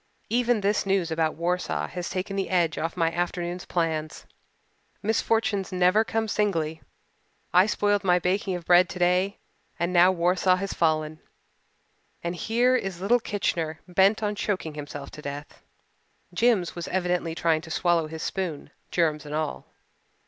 Even this news about Warsaw has taken the edge off my afternoon's plans. Misfortunes never come singly. I spoiled my baking of bread today and now Warsaw has fallen and here is little Kitchener bent on choking himself to death." Jims was evidently trying to swallow his spoon, germs and all.